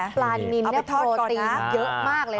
ปลานินเนี่ยโปรตีนเยอะมากเลยนะ